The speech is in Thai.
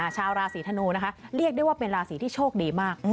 ชาวราศีธนูนะคะเรียกได้ว่าเป็นราศีที่โชคดีมาก